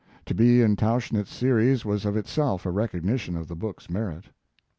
To be in a Tauchnitz series was of itself a recognition of the book's merit.